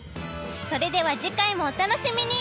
それでは次回もお楽しみに！